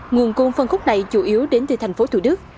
nguồn cung phân khúc này chủ yếu đến từ thành phố thủ đức